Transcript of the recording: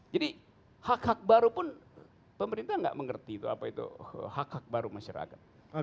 jadi hak hak baru pun pemerintah tidak mengerti itu apa itu hak hak baru masyarakat